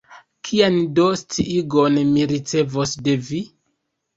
Kian do sciigon mi ricevos de vi?